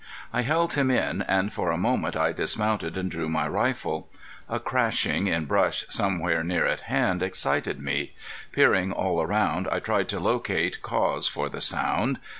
I held him in, and after a moment I dismounted and drew my rifle. A crashing in brush somewhere near at hand excited me. Peering all around I tried to locate cause for the sound.